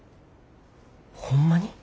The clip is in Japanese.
ホンマに？